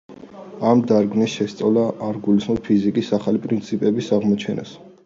ამ დარგის შესწავლა არ გულისხმობს ფიზიკის ახალი პრინციპების აღმოჩენას.